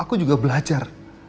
aku juga belajar